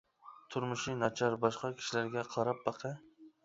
تۇرمۇشى ناچار باشقا كىشىلەرگە قاراپ باقە.